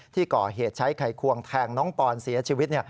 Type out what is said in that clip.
ที่ก่อเหตุใช้ไขควงแทงน้องปอนเสียชีวิต